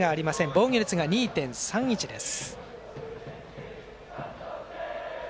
防御率が２．３１です。